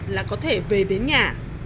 là có thể về đến nhà